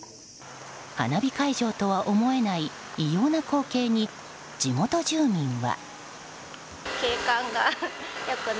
花火会場とは思えない異様な光景に地元住民は。